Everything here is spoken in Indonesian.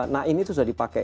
na'in itu sudah dipakai